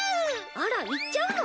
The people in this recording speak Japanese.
あら行っちゃうの？